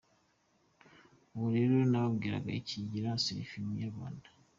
Ubwo rero nababwira iki, Gira selfie munyarwanda!!.